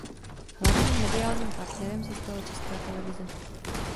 Hlavním mediálním partnerem se stala Česká televize.